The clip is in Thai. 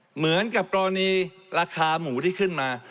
เหมือนกับกรณีราคาหมูที่ขึ้นมา